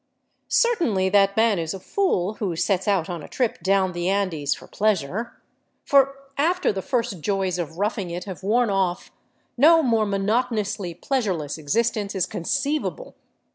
Certainly that man is a fool who sets out on a trip down the Andes for pleasure; for after the first joys of roughing it have worn oif, no more monotonously pleasureless existence is conceivable.